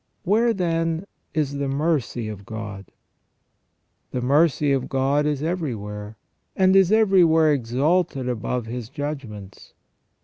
Where, then, is the mercy of God? The mercy of God is everywhere, and is everywhere exalted above His judgments.